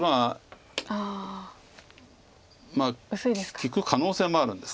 利く可能性もあるんです。